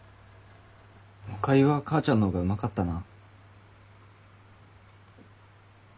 おかゆは母ちゃんの方がうまかったな。